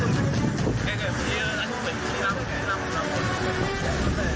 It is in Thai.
นี่ล่ะ